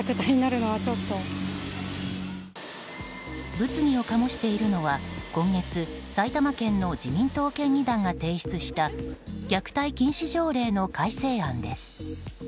物議を醸しているのは今月、埼玉県の自民党県議団が提出した虐待禁止条例の改正案です。